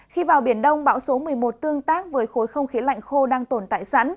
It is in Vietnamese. khi vào biển đông bão số một mươi một tương tác với khối không khí lạnh khô đang tồn tại sẵn